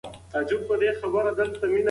ټولنپوهنه په نولسمه پېړۍ کي رامنځته سوه.